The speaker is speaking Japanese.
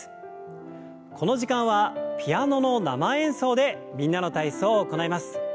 この時間はピアノの生演奏で「みんなの体操」を行います。